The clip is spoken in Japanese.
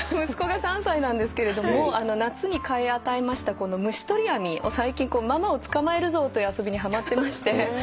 息子が３歳なんですけれども夏に買い与えました虫捕り網を最近ママをつかまえるぞという遊びにはまってまして。